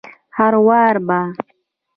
هروار به